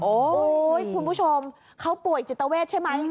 โอ้โหคุณผู้ชมเขาป่วยจิตเวทใช่ไหม